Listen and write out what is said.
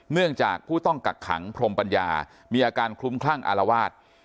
เนื่องจากผู้ต้องกักขังพรมปัญญามีอาการคลุมคลั่งอารวาส